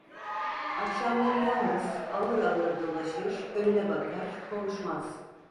Akşamları yalnız, ağır ağır dolaşır, önüne bakar, konuşmaz.